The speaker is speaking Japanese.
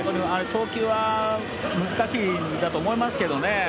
送球は難しいと思いますけどね。